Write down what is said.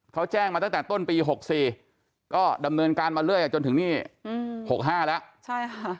เขาแจ้งมาตั้งแต่ต้นปีหกสี่ก็ดำเนินการมาเรื่อยอะจนถึงนี่อืมหกห้าแล้วใช่ค่ะ